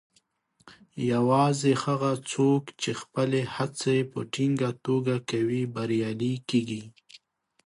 یوازې هغه څوک چې خپلې هڅې په ټینګه توګه کوي، بریالي کیږي.